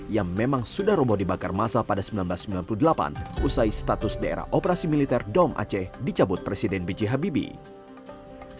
yang memang sudah roboh dibakar masa pada seribu sembilan ratus sembilan puluh delapan usai status daerah operasi militer dom aceh dicabut presiden b j habibie